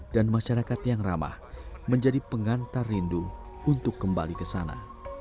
dan masyarakat yang ramah menjadi pengantar rindu untuk kembali ke sana